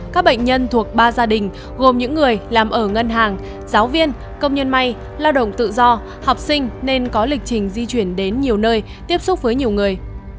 các bệnh nhân thuộc ba gia đình gồm những người làm ở ngân hàng giáo viên công nhân may lao động tự do học sinh nên có lịch trình di chuyển đến nhiều nơi tiếp xúc với nhiều người